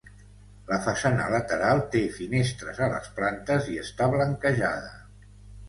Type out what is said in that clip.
La façana lateral té finestres a les plantes i està blanquejada.